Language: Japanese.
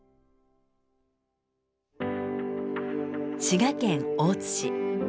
滋賀県大津市。